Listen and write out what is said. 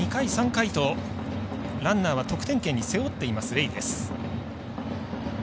２回、３回とランナーは得点圏に背負っていますレイです。